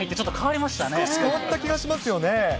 少し変わった気がしますよね。